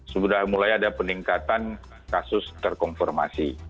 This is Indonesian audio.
sudah mulai ada peningkatan kasus terkonfirmasi